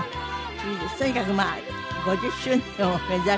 とにかく５０周年を目指して。